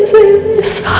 aku kasihan sama tante frozen